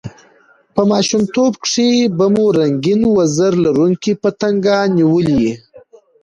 په ماشومتوب کښي به مو رنګین وزر لرونکي پتنګان نیولي يي!